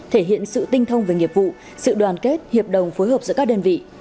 thể hiện sự tinh thông về nghiệp vụ sự đoàn kết hiệp đồng phối hợp giữa các đơn vị